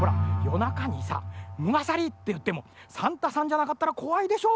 なかにさ「むがさり」っていってもサンタさんじゃなかったらこわいでしょ。